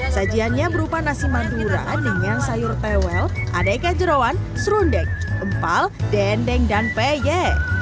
sajiannya berupa nasi madura dengan sayur tewel adek edek jerawan serundek empal dendeng dan peye